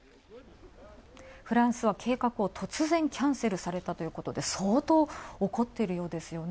フランスは計画を突然キャンセルされたということで相当、怒ってるようですよね。